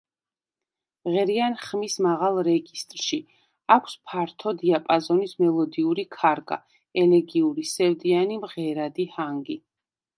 მღერიან ხმის მაღალ რეგისტრში, აქვს ფართო დიაპაზონის მელოდიური ქარგა, ელეგიური, სევდიანი, მღერადი ჰანგი.